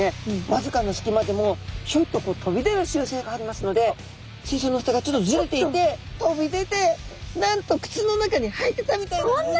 わずかな隙間でもひょいと飛び出る習性がありますので水槽のふたがちょっとずれていて飛び出てなんとくつの中に入ってたみたいなんですね。